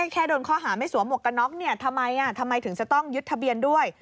แค่โดนข้อหาไม่สวมหวกกระน็อกเนี่ยทำไมทำไมถึงจะต้องยึดทะเบียนด้วย